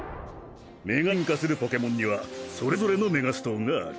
メガシンカするポケモンにはそれぞれのメガストーンがある。